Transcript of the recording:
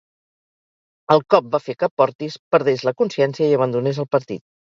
El cop va fer que Portis perdés la consciència i abandonés el partit.